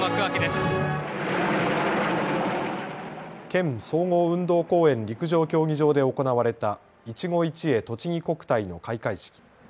県民総合運動公園陸上競技場で行われたいちご一会とちぎ国体の開会式。